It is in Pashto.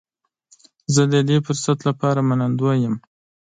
زه د دې فرصت لپاره منندوی یم.